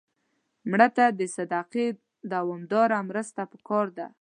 مړه ته د صدقې دوامداره مرسته پکار ده